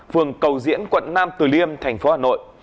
phường cầu diễn quận nam từ liêm thành phố hà nội